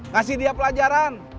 ngasih dia pelajaran